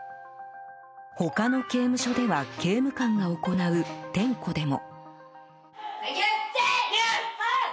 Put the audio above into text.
他の刑務所では刑務官が行う点呼でも。